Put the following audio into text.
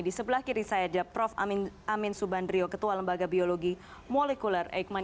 di sebelah kiri saya ada prof amin subandrio ketua lembaga biologi molekuler eikman